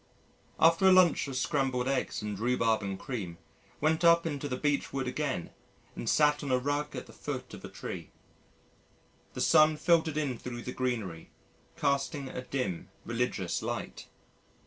After a lunch of scrambled eggs and rhubarb and cream went up into the Beech Wood again and sat on a rug at the foot of a tree. The sun filtered in thro' the greenery casting a "dim, religious light."